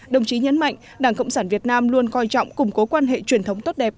đồng chí nhấn mạnh đảng cộng sản việt nam luôn coi trọng củng cố quan hệ truyền thống tốt đẹp